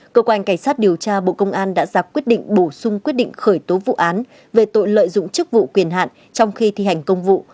cơ quan cảnh sát điều tra bộ công an đã dạp quyết định bổ sung quyết định khởi tố vụ án về tội lợi dụng chức vụ quyền hạn trong khi thi hành công vụ